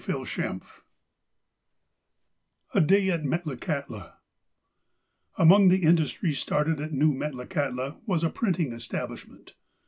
I XXXVI A DAY AT METLAKAHTLA AMONG the iudustries started at 'New Metlakahtla was a printing establisliment.